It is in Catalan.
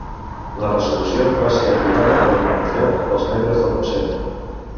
La resolució va ser aprovada per unanimitat pels membres del Consell.